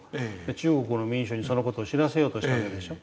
中国の民衆にその事を知らせようとしたわけでしょ。